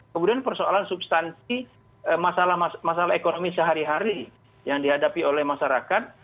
kemudian persoalan substansi masalah ekonomi sehari hari yang dihadapi oleh masyarakat